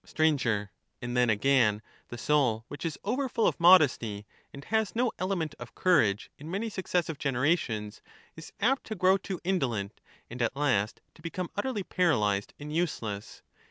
Sir. And then, again, the soul which is over full of modesty and has no element of courage in many successive genera tions, is apt to grow too indolent, and at last to become utterly paralyzed and useless.